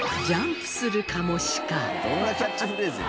どんなキャッチフレーズよ。